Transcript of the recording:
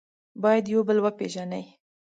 باید یو بل وپېژنئ.